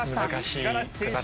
五十嵐選手